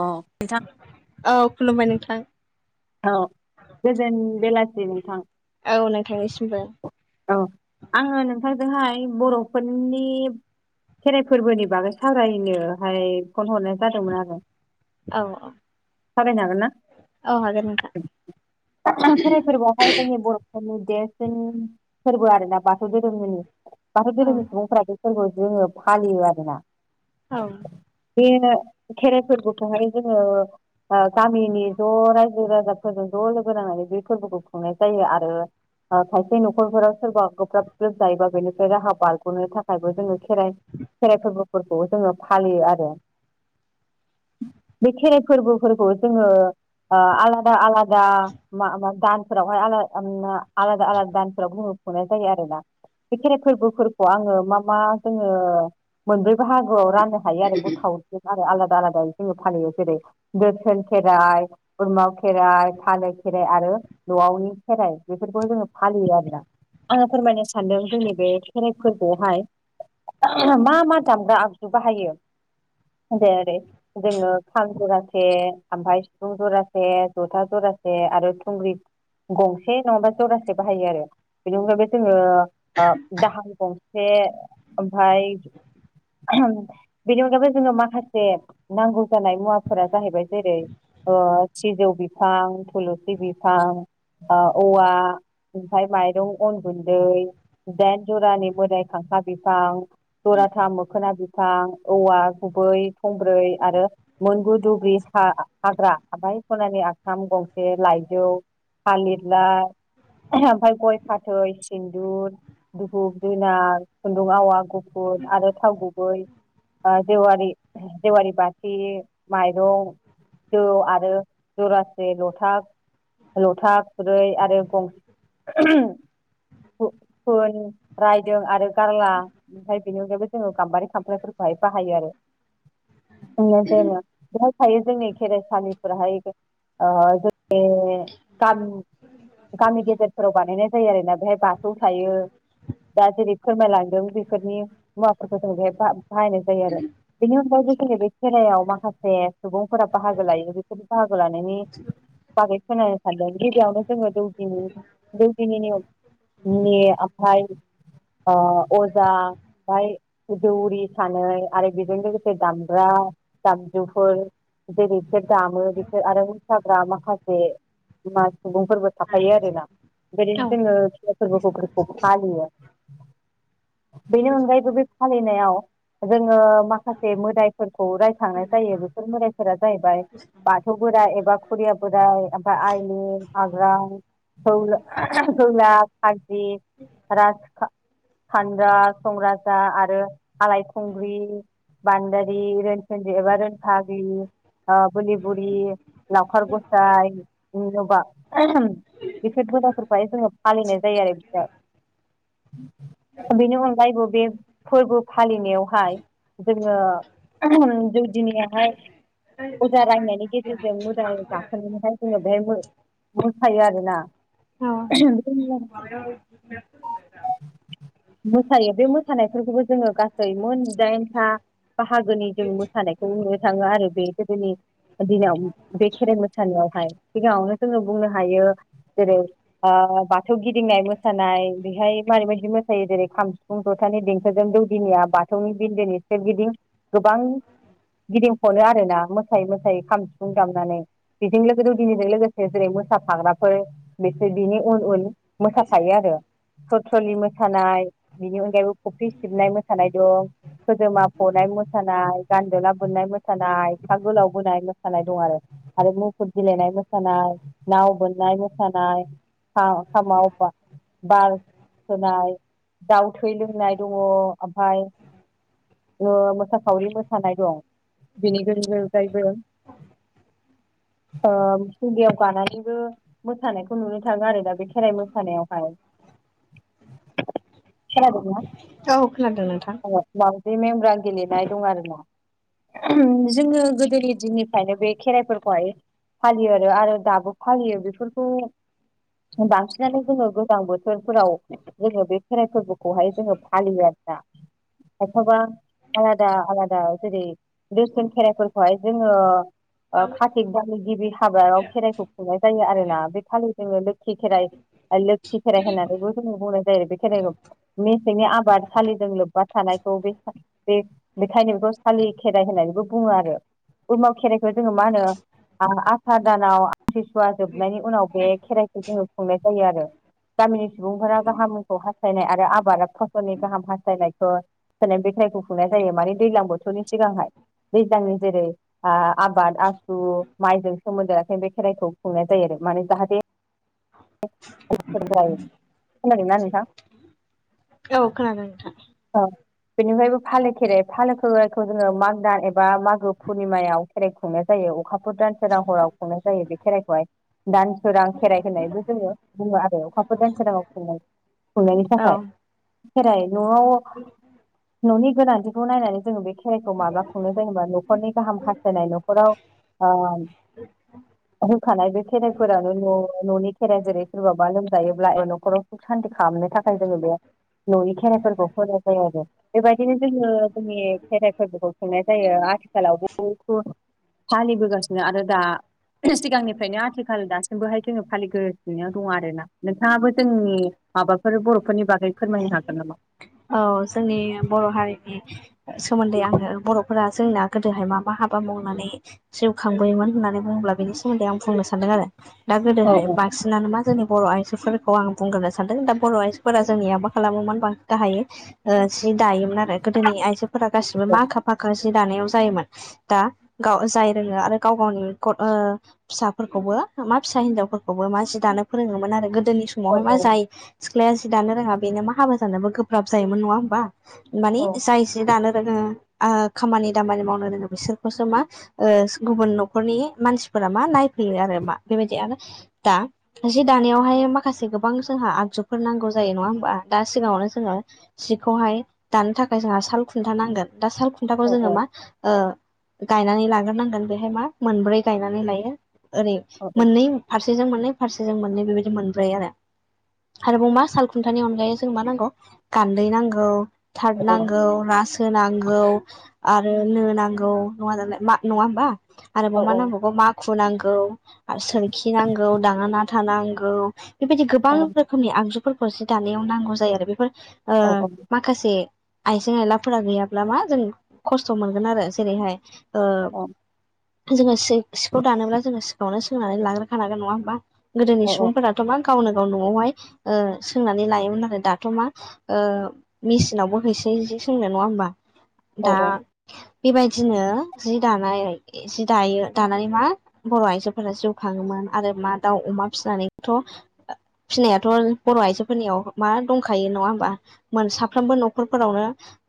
अ खिन्था औ खुलुमबाय नोंथां। औ गोजोन बेलासि नोंथां। औ नों थांनिसिमबो औ आङो नोंथांजोंहाय बर'फोरनि खेराइ फोरबोनि बागै सावरायनो हाय फन हरनाय जादोंमोन आरो औ औ। थाबायनो हागोन ना? औ हागोन नोंथां खेराइ फोरबोआवहाय जोंनि बर'फोरनि देरसिन फोरबो आरोोना बाथौ धोरोमनि ।बाथौ औ धोरोमनि सुबुंफोरा बे फोरबोआव जोङो फालियो आरोना औ। बे खेराइ फोरबोखौहाय जोङो गामिनि ज' रायजो राजाफोरजों ज' लोगो नांनानै बे फोरबोखौ खुंनाय जायो आरो खायसे न' न'खरफोराव सोरबा गोब्राब ग्रोब जायोबा बेनिफ्राय राहा बारग'नो थाखायबो जोङो खेराइ खेराइ फोरबो फोरखौ जोङो फालियो आरो बे खेराइ फोरबोफोरखौ जोङो आलादा आलादा दा मा दान्सावाय आला आलादा आलादाान्स नाय जायो आरोना बे खेराइ फोरबोफोरखौ आङो मा मा जोङो मोन बाहागोआव राननो हायो आरो बखार आरो आलादा आलादायै जोङो फालियो जेरै बोथोन खेराइ बोरमा खेराइ फालो खेराइ आरो न'आवनि खेराइ बेफोरखौ जोङो फालियो आरो आङो फोरमायनो सानदों जोंनि बे खेराइ फोरफोरखौआवहाय मा मा दामग्रा आगजु बाहायो? जै जोङो खाम जरासे ओमफाय सिफुं जरासे जथा जरासे मासे आरो थुंग्रि गंसे नङाबा जरासे बाहायो आरो बिनि अनगायैबो जोङो ओ दाहाम गंसे ओमफाय बेनि अनगायैबो जोंनो माखासे नांगौ जानाय मुवाफोरा जाहैबाय जेरै अ सिजौ बिफां थुलुसि बिफां ओ औवा ओमफाय माइ दुं अन गुन्दै दाइन जरानि मोदाय खांखा बिफां जराथा मोखोना बिफां औवा गुबै थंब्रै आरो मोनगु दुब्रि हाग्रा आाय सनानि आसाम गंसे लाइजौ हालिरला ओमफफ्राय गय फाथै सिन्दुर दुहुप जुनार खुन्दुं आवा ुन आरो थाव गुबै जेवारि जेवारि बथि माइरं जौ आरो जरासे लथा लथा खुरै आरो गंसे ओहम फो-फोन रायदों आरो गारला ओमफाय बेनि अनगायैबो जोङो गाम्बारि खामफ्लायफोरखौहाय बाहायो आरो बुंनाय जायोबा थायो जोंनि खेराइसालिफोराहाय ओ जोंनि गामि गामि गेजेरफोराव बानायनाय जायो आरोना बेहाय बाथौ थायो दा जेरै फोरमायलांदों बेफोरनि मुवाफोरखौ जोंदि एफा बाहायनाय जायो आरो बेनि अनगायै जोंनि बे खेरायाव माखासे सुबुंफोरा बाहागो लायो बेफोरनि बाहागो लानायनि बागै खोनानो सानदों गिबियावनो जोङो दौदिनि दौदिनिनि ओम नि आमफाय ओ अजा ओमफाय दौरि सानै आरो बेजों लोगोसे दामग्रा दामजुफोर ओमफ्राय [inaudible] दामो बिसोर आरो मोसाग्रा माखासे बिमा सुबुंफोरबो थाफायो आरोना बेबायदिनो औ जोङो खेराइ फोरबोखौफोरखौ फालियो बेनि अनगायैबो बे फालिनायाव जोङो माखासे मोदायफोरखौ राय खांनाय जायो बेसोर बोराइफोरा जाहैबाय बाथौ बोराइ एबा खुरिया बोराय ओम आयलि आग्रां सौलो [inaudible] खारजि राजखा फानग्रा संग्राजार आरो आलायखुंग्रि बान्दारि रोसोनदि एबा रोनफाग्लि ओ बोलि बुरि लावखार गसाय इनजबा बेफोर फुदाफोरखौहाय जोङो फालिनाय जायो आरो। बेनि अनगायैबो बे फोरबो फालिनायावहाय जोङो दौदिनियाहाय अजा रायनायनि गेजेरजों मोजां जाखोननानैहाय जोङो बे मो मोसायो आरोना औ उम बेखौ मोसायो बे मोसानायफोरखौबो जोङो गासै मोनजिदाइनथा बाहागोनि जों मोसानायखौ नुनो थाङो आरो बे गोदोनि दिनाव बे खेराइ मोसानायावहाय सिगाङावनो जोङो बुंनो हायो जेरै ओ बाथौ गिदिंनाय मोसानाय बेहाय मारै बायदि मोसायो जेरै खाम सिफुं जथान देंखोजों दौदिनिया बाथौनि बिन्दोनि सोरगिदिं गोबां गिदिंखनो आरोना मोसायै मोसायै खाम सिफुं दामनानै बेजों लोगो दौदिनिजों लोगोसे जेरै मोसाफाग्राफोर बिसोर बिनि उन उन मोसाफायो आरो थथ्रलि मोसानाय बेनि अनगायैबो खफ्रि सिबनाय मोसानाय दं खोजोमा फनाय मोसानाय गानदोबला बोननाय मोसानाया फागगोलाव बोनाय मोसानाय दं आरो आरो मुफुर गेलेनाय मोसानाय नाव बोननाय मोसानाय खा-खामाव बार होनाय दाव थै लोंनाय दङ ओमफाय बो मोसाखावरि मोसानाय दं बेनि गेजेरजों अनगायबो ओ थुगेयाव गानानैबो मोसानायखौ नुनो थाङो आरोना बे खेराइ मोसानायावहाय औ खोनादों नोंथां। [inaudible] माउजि मेमब्रा गेलेनाय दं आरो ना। उम जोङो गोदोनि दिननिफ्रायनो बे खेराइफोरखौहाय फालियो आरो आरो दाबो फालियो बेफोरखौ बांसिनानो जोङो गोजां बोथोरफोराव जोङो बे खेराइ फोरबोखौहाय जोङो फालियो आरोना अथ'बा आलादा-आलादा जेरै दोरसोन खेराइफोरखौहाय जोङो ओ खाथिग दाननि गिबि हाबायाव खेराइखौ खुंनाय जायो आरोना, बे खालि जोङो लोखि खेराइ लोखि खेराइ होननानै खौबो जोङो बुंनाय जायो बे खेराइखौ मेसेंनि आबाद सालिजों लोब बा थानायखौ बे-बे बेखायनो बेखौ सालि खेराइ होननानैबो बुङो आरो उरमा खेराइखौ जोङो मा होनो आ आसार दानाव आथिसुवा जोबनायनि उनाव बे खेराइखौ जोङो खुंनाय जायो आरो गामिनि सुबुंफोरा गाहामखौ हास्थायनाय आरो आबाद फसलनि गाहाम हास्थायनाय खो सान्नय बे खाइखौ खुंनाय जायो माने दैज्लां बोथोरनि सिगांहाय दैज्लांनि जेरै आ आबाद आसु माइजों सोमोन्दो लाखिना बे खेराइखौ खुंनाय जायो आरो माने जाहाथे [unintelligible] जायी औ खोनादों नोंथां औ बेनिफ्रायबो फालो खेराइ फालो खेराइखौ जोङो माग दान एबा मागो पुर्निमायाव खेराइ खुंनाय जायो। अखाफोर दानसे दां हराव खुंनाय जायो बे खेराइखौहाय दान सोरां खेराइ होनायबो जोङो बुङो आरो अखाफोर दान सोरांआव खुंनाय खुंनायनि औ थाखाय खेराइ न'आव न'नि गोनांथिखौ नायनानै जोङो बे खेराइखौ माब्ला खुंनो जेनेबा न'खरनि गाहाम हास्थायनाय न'खराव अ होखानाय बे खेराइफोरानो न' न'नि खेराइ जेरै सोरबाबा लोमजायोब्ला ए न'खराव हान्थि खालामनो थाखाय जोङो बे न'यनि खेराइफोरखौ होनाय जायो आरो बेबायदिनो जोङो जोंनि खेराइ फोरखौबो खुंनाय जायो ।आथिखालावबो फालिबोगासिनो आरो दा सिगांनिफ्रायनो आथिखाल दासिमबोहाय जोङो फालिगोसिनो दङ आरोना नोंथाङाबो जोंनि माबाफोर बर'फोरनि बागै फोरमायनो हागोन नामा? औ जोंनि बर' हारिनि सोमोन्दै आङो बर'फोरा जोंना गोदोहाय मा मा हाब हाबा मावनानै जिउ खांबोयोमोन होननानै बुंब्ला बेनि सोमोन्दै आं बुंनो सानदों आरो दा औ गोदोहाय औ बांसिनानो मा जोंनि बर' आइजोफोरखौ आं बुंग्रोनो सानदों दा बर' आइजोफोरा जोंनियाबा खालामोमोन बांसिन हायो ओ जि दायोमोन आरो गोदोनि आइजोफोरा गासिबो मा आखा फाखा बिदि दानायाव जायोमोन दा गाव जाय रोङो आरो गाव गावनि कट ओ फिसाफोरखौबो मा फिसा हिनजावफोरखौबो मा जि दानो फोरोङोमोन आरो गोदो गोदोनि औ समावहाय मा जाय सिख्लाया जि दानो रोङा बेनो मा हाबा जानोबो गोब्राब जायोमोन नङा होमबा औ मानिजायसेो दानो रोङो आ खामानि दामानि मावनो रोङो बिसोरखौसो मा गुबुन न'खरनि मानसि फोरा मा नायफैयो आरो मा बेबायदि आरो दा जि दानायावहाय माखासे गोबां जोंहा आग- जुफोर नांगौ जायो नङा होमबा दा सिगाङावनो जोङो जिखौहाय दानो थाखाय जोंहा साल खुन्था नांगोन दा साल खुन्थाखौ औ जोङो औ मा ओ गायनानै लाग्रोनांगोन बेहाय मा मोनब्रै गायनानै लायो ओरै औ मोननै फारसे फारसेजों मोननै फारसेजों मोननै बेबायदि मोनब्रै आरो आरोब मा साल खुन्थानि अनगायै जों मा नांगौ गान्दै नांगौ औ थारद नांगौ रासो- सो नांगौ आरो नो नांगौ नङा दालाय मा नङा होमबा? औ आरोबाव मा नांबावगौ मा- खुुनांगौ आरो सोरखि नांगौ दाङा नाथा नांगौ बेबायदि गोबां औ रोखोमनि आगजुफोरखौ जि दानायाव नांगौ जायो आरो बेफोर ओ औ औ माखासे आइजें आयलाफोरा गैयाब्ला मा जों खस्थ' मोनगोन आरो जेरैहाय- ओ औ जोङो सो सि सिखौ दानोब्ला जोङो सिगावनो सोंनानै लाग्रोखानांगोन नङा होमबा गोदोनि औ सुबुंफोराथ' मा गावनो गाव न'आवहाय ओ सोंनानै लायोमोन आरो दाथ' मा ओ मेसिनावबो हैसै जि सोंनो नङा होमबा औ दा बेबायदिनो जि दानाय जि दायो दानानै मा बर' आइजोफोरा जिउ खाङोमोन आरो मा दाउ अमा फिनानैथ' ओ फिनायाथ' बर' आइजोफोरनियाव मा दंखायो यो नङा होमबा मोन साफ्रोमबो नखरफोरावनो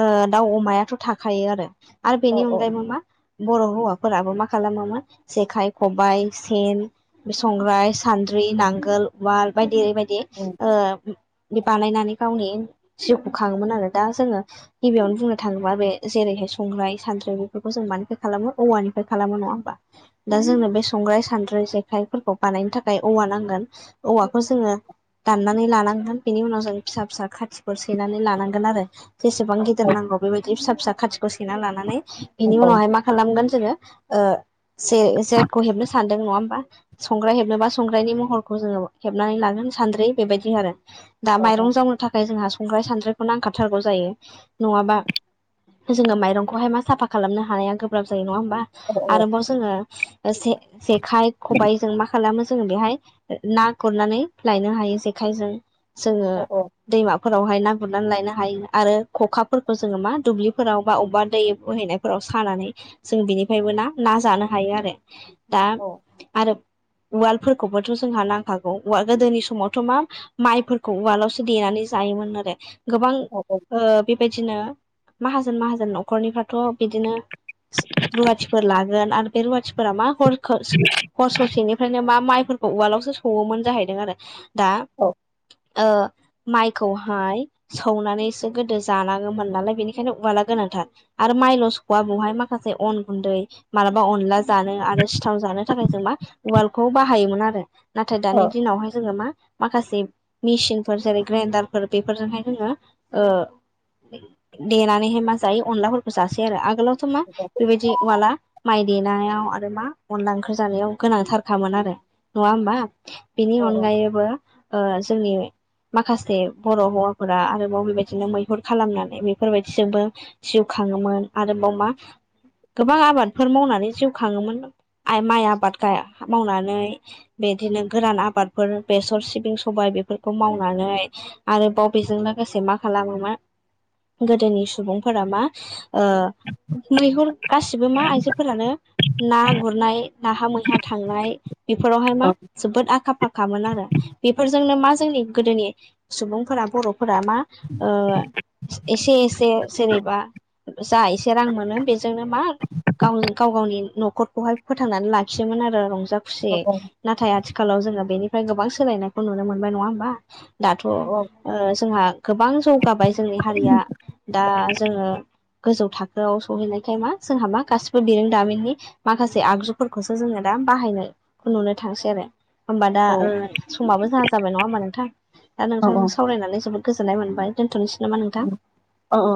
ओ दाउ अमायाथ' थाखायो आरो आरो बेनि औ औ अनगायैबो मा बर' हौवाफोराबो मा खालामोमोन जेखाइ खबाइ सेन बे संग्राय सानद्रि नांगोल उाल बायदि बायदि औ ओ बे बानायनानै गावनि जिउखौ खाङोमोन आरो दा जोङो गिबियावनो बुंनो थाङोब्ला बे जेरैहाय संग्राय सानद्रि बेफोरखौ जों म खालामो औवानिफ्राय खालामो नङा होमबा दा जोंनो बे संग्राय सानद्रि जेखाइफोरखौ बानायनो थाखाय थाखाय औवा नांगोन औवाखौ जोङो दाननानै लानांगोन बेनि उनाव जों फिसा फिसा खाथि सैनानै लानांगोन आरो जेसेबां गिदिर नांगौ बेबायदि फिसा फिसा खाथिखौ सैना लाना माने बिनि उनावहाय मा खालामगोन जो जे जेखौ हेबनो सानदों नङा होमबा संग्राय हेबनोबा संग्रानि महरखौ जोङो हेबनानै लागोन। सानद्रि बेबायदि आरो दा मायरं जावनो थाखाय जोंहा स संग्राय सानद्रिखौ नांखारथारगौ जायो नङाबा जोङो माइरंखौहाय मा साफा खालामनो हाया गोब्राब जायो नङा होम बा आरोबाव जोङो जे जेखाय खबाइ जों मा खालामो जोङो बेहाय ना गुरनानै लायनो हायो जेखायजों। जोङो दैमा फोरावहाय ना गुरनानै लायनो हायो आरो खखाफोरखौ जोङो मा दुब्लिफोराव बा अबबा दै बोहैनायफोराव। सानानै जों बिनिफ्रायबो ना ना जानो हायो आरो दा आरो उवालफोरखौबोथ' जोंहा नांखागौ उवाल गोदोनि समावथ' मा माइफोरखौ उवालावसो देनानै जायोमोन आरो गोबां ओ बे बेबायदिनो माहाजोन माहाजोन न'खरनिफ्रायथ' बिदिनो रुवाथिफोर लागोन आरो बे रुवाथिफोरा मा हर हर ससेनिफ्रायनो मा माइफोरखौ उवालावसो सौवोमोन जाहैदों आरो। दा ओ माइ खौहाय सौनानैसो गोदो जानाङोमोन नालाय बेनिखायनो उवला गोनांथार आरो माइ ल' सौवा बेवहाय माखासे अन गुन्दै मालाबा अनला जानो आरो सिथाव जानो थाखाय जों मा उवाल खौ बाहायोमोन आरो नाथाय दानि दिनावहाय जोङो मा माखासे मेसिनफोर जेरै ग्रैइनडार। फोर बेफोरजोंहाय जोङो ओ देनानैहाय मा जायो अनलाफोरखौ जासै आरो आगोलाव बेबायदि उवाला माइ देनायाव आरो मा अनला ओंखार जानायाव गोनांथारखामोन आरो नङा होमबा। बिनि अनगायैबो ओ जोंनि माखासे बर' हौवाफोरा आरोबाव बेबायदिनो मैहुर खालामनानै बेफोरबायदिजोंबो जिउ खाङोमोन आरो। मा गोबां आबादफोर मावनानै जिउ खाङोमोन। आइ माइ आबाद मावनानै बिदिनो गोरान आबादफोर बेसर सिबिं सबाय बेफोरखौ मावनानै आरोबाव बेजों लोगोसे मा खालामोन गोदोनि सुबुंफोरा मा ओ मैहुर गासिबो मा आइजोफोरानो ना गुरनाय नाहा मैहा थांनाय। बेफोरावहाय मा जोबोद आखा फाखामोन आरो बेफोरजोंनो मा जोंनि गोदोनि सुबुंफोरा बर'फोरा मा ओ एसे एसे जेरैबा जा एसे रां मोनो बेजोंनो मा गाव गाव गावनि न'खरखौहाय फोथांनानै लाखियोमोन आरो रंजा खुसियै नाथाय आथिखालाव जोङो बेनिफ्राय गोबां सोलायनायखौ नुनो मोनबाय नङा होमबा दाथ' थ' जोंहा गोबां जौगाबाय जोंनि हारिया दा जोङो गोजौ थाखोआव सहैनायखाय मा जोंहा मा गासिबो बिरोंदामिननि माखासे आगजुफोरखौसो जोङो दा दा बाहायनायखौ नुनो थांसै आरो होमबा दा ओ समाबो जा जाबाय नङा होमबा नोंथां। दा औ नोंथांजों सावरायनानै जोबोद गोजोननाय मोनबाय दोनथ'नोसै। नामा नोंथां अ अ।